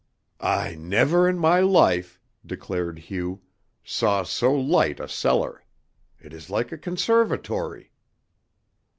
"I never in my life," declared Hugh, "saw so light a cellar. It is like a conservatory."